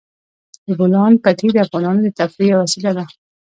د بولان پټي د افغانانو د تفریح یوه وسیله ده.